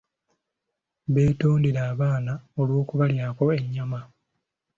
Beetondera abaana olw'okubalyako ennyama.